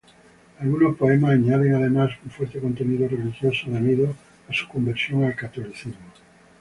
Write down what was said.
Algunos poemas añaden, además, un fuerte contenido religioso debido a su conversión al catolicismo.